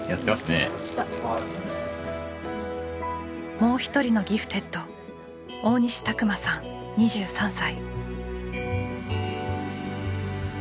もう一人のギフテッド大西拓磨さん２３歳。